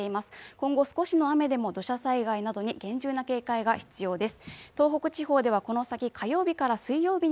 今後少しの雨でも土砂災害などに厳重な警戒が必要です。